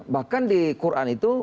bahkan di quran itu